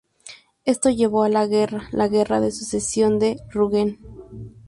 Esto llevó a la guerra, la Guerra de Sucesión de Rügen.